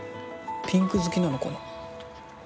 ピンク好きなのかな？